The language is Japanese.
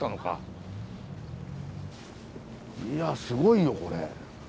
いやすごいよこれ。